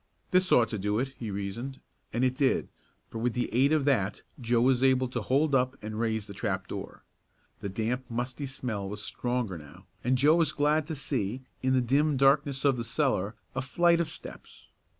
"This ought to do it," he reasoned, and it did, for with the aid of that Joe was able to hold up and raise the trap door. The damp, musty smell was stronger now, and Joe was glad to see, in the dim darkness of the cellar, a flight of steps.